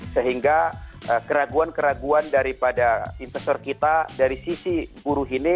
sehingga keraguan keraguan daripada investor kita dari sisi buruh ini